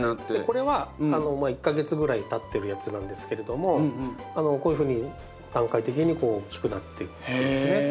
これは１か月ぐらいたってるやつなんですけれどもこういうふうに段階的に大きくなっていくんですね。